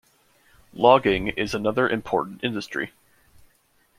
Logging is another important industry.